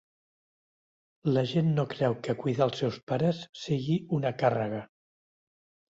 La gent no creu que cuidar els seus pares sigui una càrrega.